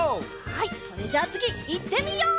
はいそれじゃあつぎいってみよう！